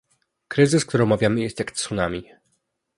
Kryzys, który omawiamy jest jak tsunami